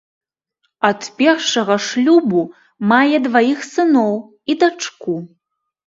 Ад першага шлюбу мае дваіх сыноў і дачку.